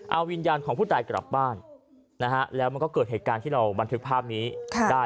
เอาวิญญาณของผู้ตายกลับบ้านนะฮะแล้วมันก็เกิดเหตุการณ์ที่เราบันทึกภาพนี้ได้